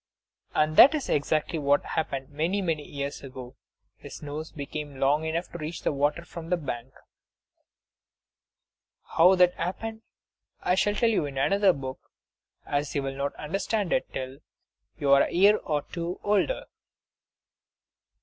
And that is exactly what happened many, many years ago his nose became long enough to reach the water from the bank. How that happened I shall tell you in another book, as you will not understand it till you are a year or two older.